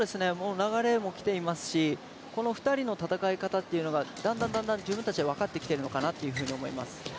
流れも来ていますしこの２人の戦い方っていうのがだんだん自分たちで分かってきているのかなと思います。